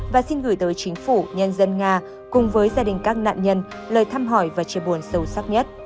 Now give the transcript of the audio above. và xin gửi tới chính phủ nhân dân nga cùng với gia đình các nạn nhân lời thăm hỏi và chia buồn sâu sắc nhất